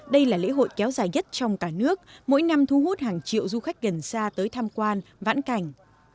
đây là lễ hội kéo dài nhất trong cả nước mỗi năm thu hút hàng triệu du khách gần xa tới tham quan vãn cảnh